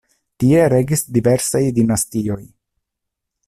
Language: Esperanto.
Tie regis diversaj dinastioj.